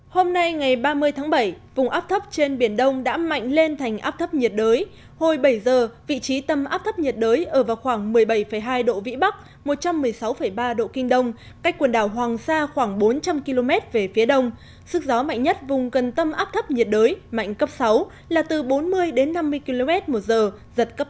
hôm nay ngày ba mươi tháng bảy vùng áp thấp trên biển đông đã mạnh lên thành áp thấp nhiệt đới hồi bảy giờ vị trí tâm áp thấp nhiệt đới ở vào khoảng một mươi bảy hai độ vĩ bắc một trăm một mươi sáu ba độ kinh đông cách quần đảo hoàng sa khoảng bốn trăm linh km về phía đông sức gió mạnh nhất vùng gần tâm áp thấp nhiệt đới mạnh cấp sáu là từ bốn mươi đến năm mươi km một giờ giật cấp tám